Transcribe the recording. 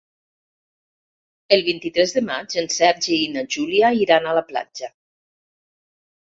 El vint-i-tres de maig en Sergi i na Júlia iran a la platja.